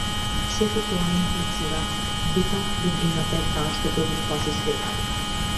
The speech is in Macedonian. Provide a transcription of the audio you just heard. Сето тоа имплицира дека добрината е таа што ќе го спаси светот.